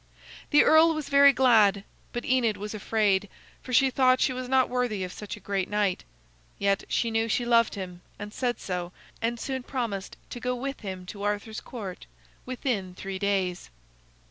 The earl was very glad, but Enid was afraid, for she thought she was not worthy of such a great knight. Yet, she knew she loved him, and said so, and soon promised to go with him to Arthur's Court within three days.